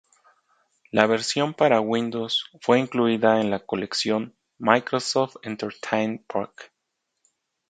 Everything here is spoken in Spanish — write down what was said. La versión para Windows fue incluida en la colección Microsoft Entertainment Pack.